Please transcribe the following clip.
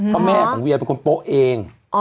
เพราะแม่ของเวียเป็นคนโป๊ะเอง